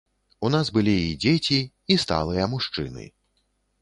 У нас былі і дзеці, і сталыя мужчыны.